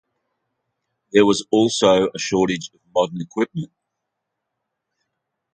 There was also a shortage of modern equipment.